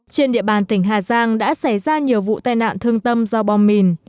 trên địa bàn tỉnh hà giang đã xảy ra nhiều vụ tai nạn thương tâm do bom mìn